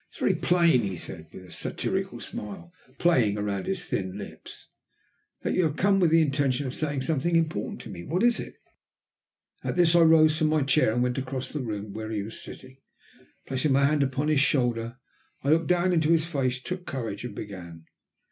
"It is very plain," he said, with a satirical smile playing round his thin lips, "that you have come with the intention of saying something important to me. What is it?" At this I rose from my chair and went across the room to where he was sitting. Placing my hand upon his shoulder I looked down into his face, took courage, and began.